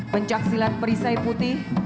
pencaksilat perisai putih